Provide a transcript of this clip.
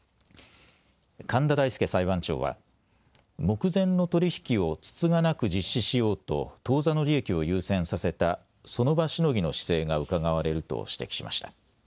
神田大助裁判長は、目前の取り引きをつつがなく実施しようと当座の利益を優先させたその場しのぎの姿勢がうかがわれると指摘しました。